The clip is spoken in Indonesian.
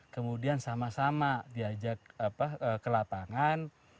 kemudian sama sama diajak ke lapangan